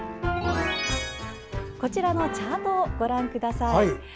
こちらのチャートをご覧ください。